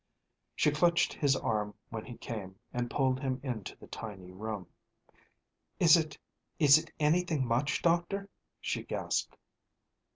She clutched his arm when he came, and pulled him into the tiny room. "Is it is it anything much, doctor?" she gasped.